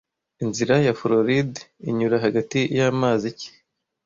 Inzira ya Floride inyura hagati y’amazi ki